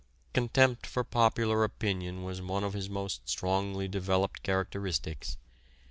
Contempt for popular opinion was one of his most strongly developed characteristics.